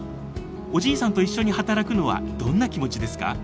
おじいさんと一緒に働くのはどんな気持ちですか？